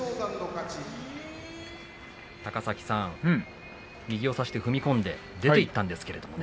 高崎さん、右を差して踏み込んで出ていったんですけどね。